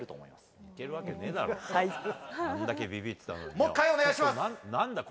もう一回、お願いします。